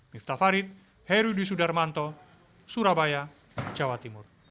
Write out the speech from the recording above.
miftah farid herudi sudarmanto surabaya jawa timur